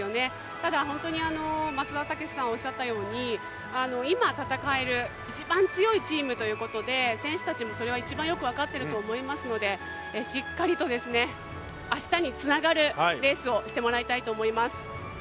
ただ、松田丈志さんおっしゃったように、今戦える一番強いチームということで選手たちもそれは一番よく分かっていると思いますのでしっかりと明日につながるレースをしてもらいたいと思います。